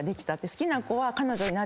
好きな子は彼女になってほしい。